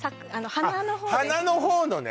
花のほうのね！